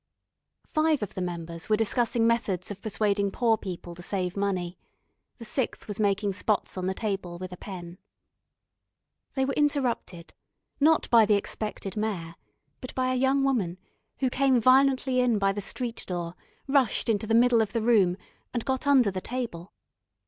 Five of the members were discussing methods of persuading poor people to save money. The sixth was making spots on the table with a pen. They were interrupted, not by the expected Mayor, but by a young woman, who came violently in by the street door, rushed into the middle of the room, and got under the table.